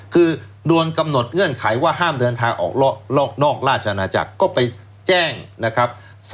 คือโดนกำหนดเงื่อนไขว่าห้ามเดินทางออกนอกราชนาจักรก็ไปแจ้งนะครับ